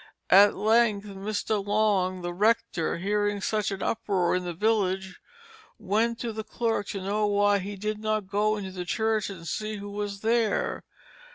At length Mr. Long, the rector, hearing such an uproar in the village, went to the clerk to know why he did not go into the church and see who was there.